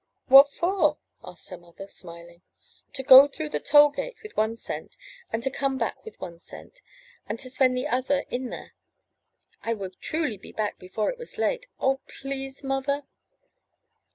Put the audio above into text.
"What for?" asked her mother, smiling. "To go through the toll gate with one cent, and to 440 UP ONE PAIR OF STAIRS come back with one cent, and to spend the other in there. I would truly be back before it was late. Oh please, mother!''